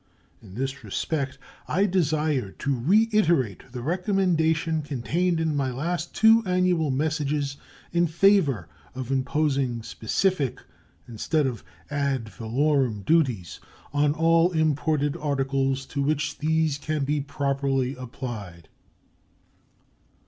In this aspect, I desire to reiterate the recommendation contained in my last two annual messages in favor of imposing specific instead of ad valorem duties on all imported articles to which these can be properly applied.